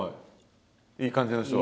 いい感じの人は？